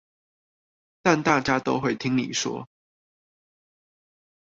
但大家都會聽你說